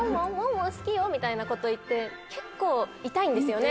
みたいなこと言って結構痛いんですよね